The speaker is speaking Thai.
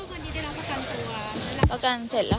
อาจารย์ประกันเสร็จแล้วค่ะ